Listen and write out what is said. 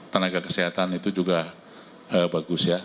tenaga kesehatan itu juga bagus ya